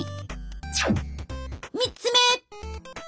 ３つ目！